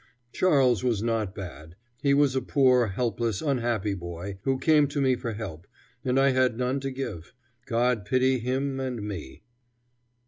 Charles was not bad. He was a poor, helpless, unhappy boy, who came to me for help, and I had none to give, God pity him and me.